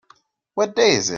What day is it?